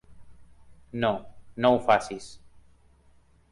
No, no ho facis.